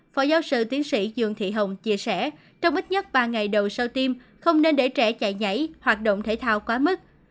phó giáo sư tiến sĩ dương thị hồng chia sẻ trong ít nhất ba ngày đầu sau tiêm không nên để trẻ chạy nhảy hoạt động thể thao quá mức